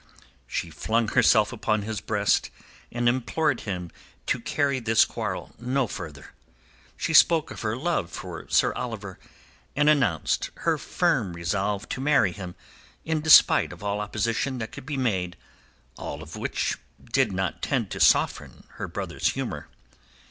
She flung herself upon his breast and implored him to carry this quarrel no further. She spoke of her love for Sir Oliver and announced her firm resolve to marry him in despite of all opposition that could be made, all of which did not tend to soften her brother's humour.